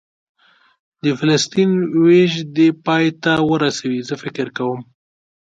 د فلسطین وېش دې پای ته ورسوي، زه فکر کوم.